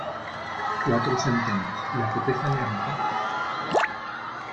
cuatro centenes ,¿ le apetece a mi amita ?